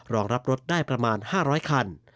รองรับรถได้ประมาณ๕๐๐คัน